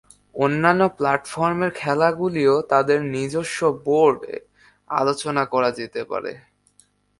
অন্যান্য প্ল্যাটফর্মের খেলাগুলিও তাদের নিজস্ব বোর্ডে আলোচনা করা যেতে পারে।